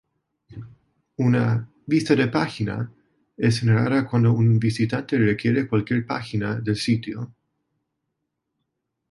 Una "vista de página" es generada cuando un visitante requiere cualquier página del sitio.